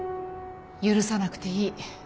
許さなくていい。